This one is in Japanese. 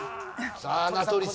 さあ名取さん。